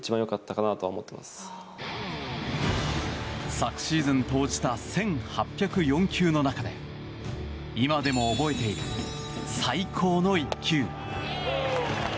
昨シーズン投じた１８０４球の中で今でも覚えている最高の１球。